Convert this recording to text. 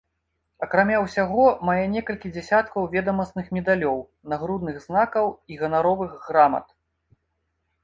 Акрамя ўсяго мае некалькі дзясяткаў ведамасных медалёў, нагрудных знакаў і ганаровых грамат.